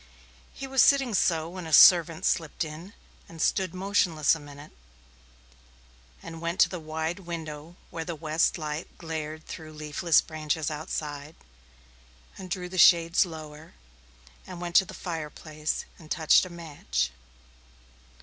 He was sitting so when a servant slipped in and stood motionless a minute, and went to the wide window where the west light glared through leafless branches outside, and drew the shades lower, and went to the fireplace and touched a match.